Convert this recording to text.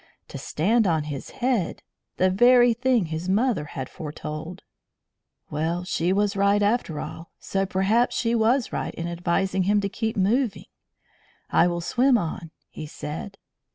To stand on his head! The very thing his mother had foretold. Well, she was right, after all, so perhaps she was right in advising him to keep moving. "I will swim on," he said.